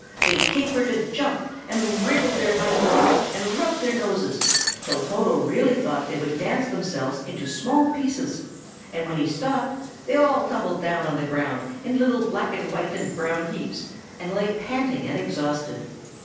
They capered, and jumped, and wriggled their hind legs, and rubbed their noses, till Toto really thought they would dance themselves into small pieces; and when he stopped, they all tumbled down on the ground in little black and white and brown heaps, and lay panting and exhausted.